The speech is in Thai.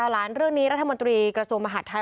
หลานเรื่องนี้รัฐมนตรีกระทรวงมหาดไทย